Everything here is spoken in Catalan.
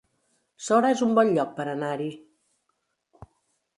Sora es un bon lloc per anar-hi